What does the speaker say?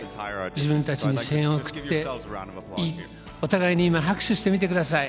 自分たちに声援を送って、お互いに今、拍手してみてください。